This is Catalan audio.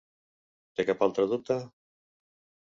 Té cap altre dubte?